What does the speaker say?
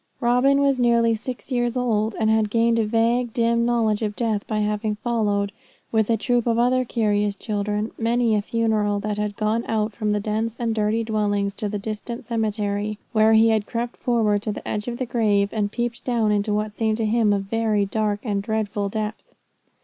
Robin was nearly six years old, and had gained a vague, dim knowledge of death by having followed, with a troop of other curious children, many a funeral that had gone out from the dense and dirty dwellings to the distant cemetery, where he had crept forward to the edge of the grave, and peeped down into what seemed to him a very dark and dreadful depth.